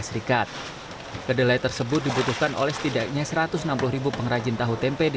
serikat kedelai tersebut dibutuhkan oleh setidaknya satu ratus enam puluh pengrajin tahu tempe di